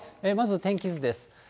まず天気図です。